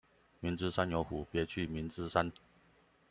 明知山有虎，別去明知山